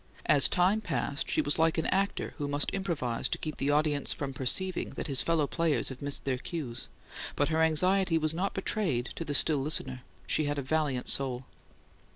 As time passed, she was like an actor who must improvise to keep the audience from perceiving that his fellow players have missed their cues; but her anxiety was not betrayed to the still listener; she had a valiant soul.